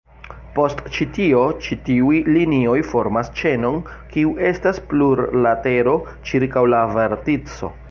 Post ĉi tio, ĉi tiuj linioj formas ĉenon, kiu estas plurlatero, ĉirkaŭ la vertico.